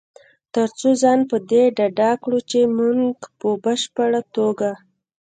تر څو ځان په دې ډاډه کړو چې مونږ په بشپړ توګه